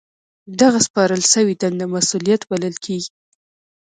دغه سپارل شوې دنده مسؤلیت بلل کیږي.